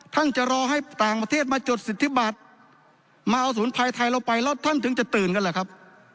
ท่านจะรอให้ต่างประเทศมาจดสิทธิบัติมาเอาสมุนไพรไทยเราไปแล้วท่านถึงจะตื่นกันเหรอครับ